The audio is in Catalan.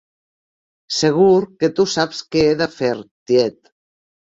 Segur que tu saps què he de fer, tiet.